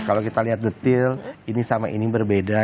kalau kita lihat detail ini sama ini berbeda